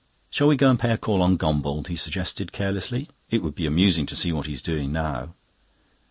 "Shall we go and pay a call on Gombauld?" he suggested carelessly. "It would be amusing to see what he's doing now."